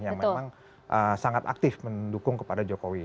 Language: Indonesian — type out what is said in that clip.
yang memang sangat aktif mendukung kepada jokowi